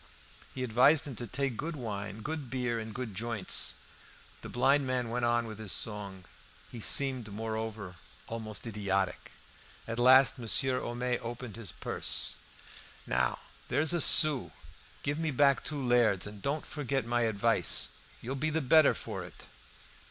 He advised him to take good wine, good beer, and good joints. The blind man went on with his song; he seemed, moreover, almost idiotic. At last Monsieur Homais opened his purse "Now there's a sou; give me back two lairds, and don't forget my advice: you'll be the better for it."